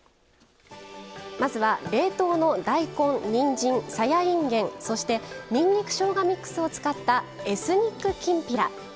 まずは冷凍の大根にんじんさやいんげんそしてにんにく・しょうがミックスを使ったエスニックきんぴら。